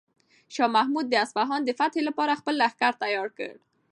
شاه محمود د اصفهان د فتح لپاره خپل لښکر تیار کړ.